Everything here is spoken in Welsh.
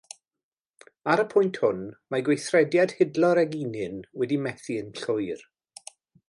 Ar y pwynt hwn, mae gweithrediad hidlo'r eginyn wedi methu'n llwyr.